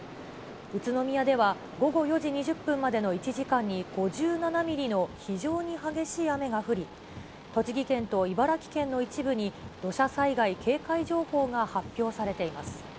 宇都宮では、午後４時２０分までの１時間に、５７ミリの非常に激しい雨が降り、栃木県と茨城県の一部に、土砂災害警戒情報が発表されています。